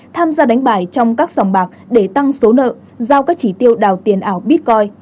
tham gia đánh bài trong các sòng bạc để tăng số nợ giao các chỉ tiêu đào tiền ảo bitcoin